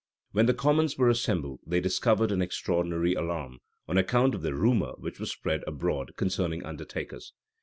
{1614.} When the commons were assembled, they discovered an extraordinary alarm, on account of the rumor which was spread abroad concerning "undertakers."